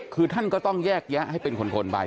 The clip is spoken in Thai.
คือท่านก็ต้องแยกแยะให้เป็นคนไป